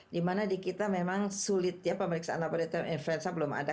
dimana di kita memang sulit ya pemeriksaan laboratorium influenza belum ada